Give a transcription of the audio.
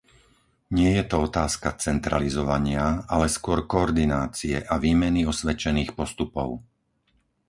Nie je to otázka centralizovania, ale skôr koordinácie a výmeny osvedčených postupov.